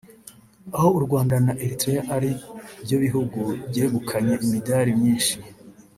aho u Rwanda na Eritrea ari byo bihugu byegukanye imidari myinshi